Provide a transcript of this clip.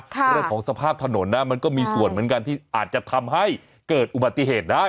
เรื่องของสภาพถนนนะมันก็มีส่วนเหมือนกันที่อาจจะทำให้เกิดอุบัติเหตุได้